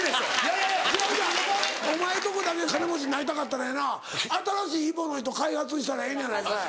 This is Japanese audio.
いやいやお前のとこだけ金持ちになりたかったらやな新しい揖保乃糸開発したらええんやないかい。